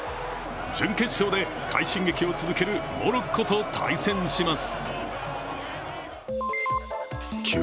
準決勝で快進撃を続けるモロッコと対戦します。